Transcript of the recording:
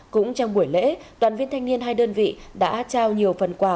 cũng trong buổi lễ đoàn viên thanh niên hai đơn vị đã trao nhiều phần quà